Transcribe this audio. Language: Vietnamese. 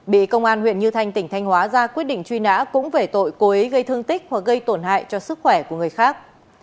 bị công an huyện như thanh tỉnh thanh hóa ra quyết định truy nã cũng về tội cố ý gây thương tích hoặc gây tổn hại cho sức khỏe của người khác